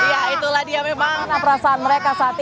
ya itulah dia memang perasaan mereka saat ini